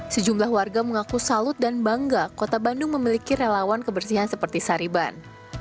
sejumlah warga mengaku salut dan bangga kota bandung memiliki relawan kebersihan seperti sariban